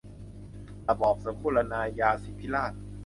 ระบอบสมบูรณาญาสิทธิราช